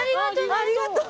ありがとうね。